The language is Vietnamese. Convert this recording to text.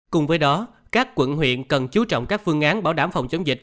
cùng với đó các quận huyện cần chú trọng các phương án bảo đảm phòng chống dịch